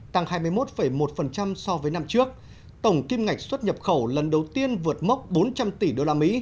tăng hai mươi một một so với năm trước tổng kim ngạch xuất nhập khẩu lần đầu tiên vượt mốc bốn trăm linh tỷ usd